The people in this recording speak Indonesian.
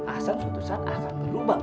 asan suatu saat asan berubah